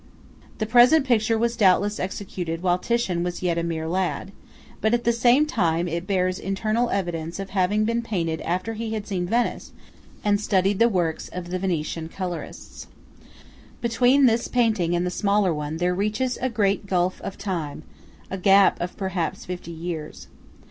The present picture was doubtless executed while Titian was yet a mere lad; but at the same time it bears internal evidence of having been painted after he had seen Venice and studied the works of the Venetian colourists. Between this painting and the smaller one, there reaches a great gulf of time–a gap of perhaps fifty years.